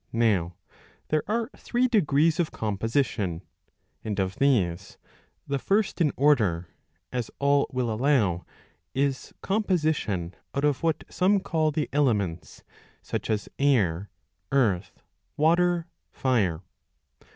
Now there are three degrees of composition ; and of these the first in order, as all will allow, is composition out of what some call the elements, such ^ as air, earth, water, fire.